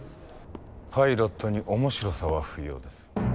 パイロットに面白さは不要です。